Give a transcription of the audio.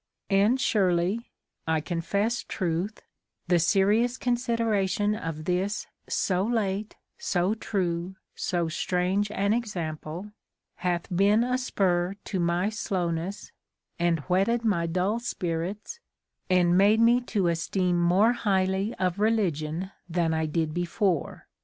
And surely (I confesse truth) the serious consideration of this so late, so true, so strange an example hath bin a spur to my slownes, and whetted my dull spirits, and made me to esteeme more highly of religion than I did before.